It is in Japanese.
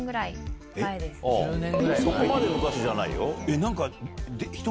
そこまで昔じゃないよ。